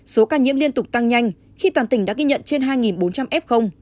số ca nhiễm liên tục tăng nhanh khi toàn tỉnh đã ghi nhận trên hai bốn trăm linh f